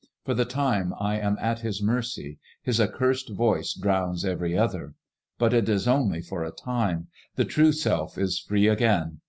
For the time I am at his mercy ; his accursed voice drowns every other. But it is only for a time. The true self is free again.